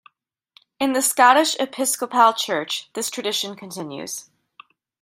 In the Scottish Episcopal Church this tradition continues.